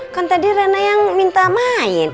kan tadi rana yang minta main